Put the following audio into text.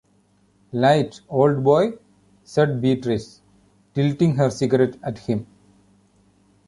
“Light, old boy?” said Beatrice, tilting her cigarette at him.